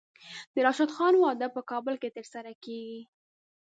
د راشد خان واده په کابل کې ترسره کیږي.